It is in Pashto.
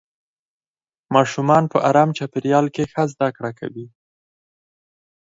ماشومان په ارام چاپېریال کې ښه زده کړه کوي